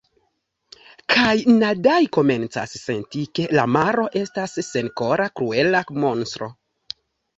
“Kaj Nadai komencas senti, ke la maro estas senkora, kruela monstro...